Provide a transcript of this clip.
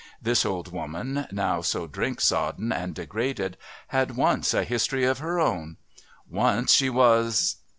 This old woman, now so drink sodden and degraded, had once a history of her own. Once she was